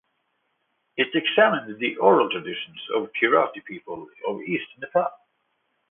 It examined the oral traditions of Kirati people of east Nepal.